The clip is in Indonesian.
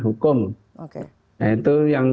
hukum nah itu yang